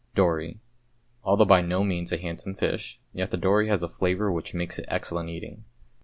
=Dory.= Although by no means a handsome fish, yet the dory has a flavour which makes it excellent eating.